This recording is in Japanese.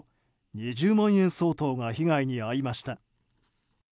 ２０万円相当が被害に遭いました。